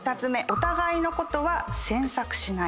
お互いのことは詮索しない。